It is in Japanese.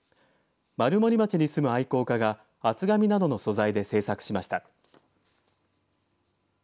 丸森町に住む愛好家が厚紙などの素材で制作しました。